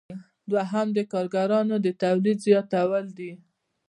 دوهم د کاریګرانو د تولید زیاتول دي.